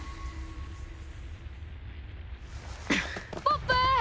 ポップ！